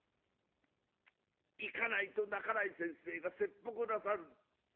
「行かないと半井先生が切腹なさる。